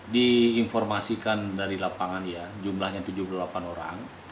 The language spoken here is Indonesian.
diinformasikan dari lapangan ya jumlahnya tujuh puluh delapan orang